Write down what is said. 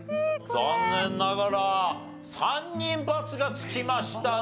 残念ながら３人バツがつきましたね。